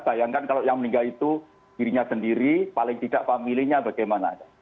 bayangkan kalau yang meninggal itu dirinya sendiri paling tidak familinya bagaimana